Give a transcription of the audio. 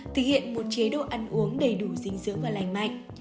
thực hiện một chế độ ăn uống đầy đủ dinh dưỡng và lành mạnh